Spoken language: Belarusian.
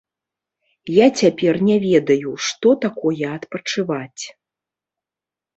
Я цяпер не ведаю, што такое адпачываць.